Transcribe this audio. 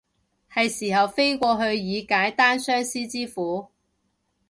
係時候飛過去以解單相思之苦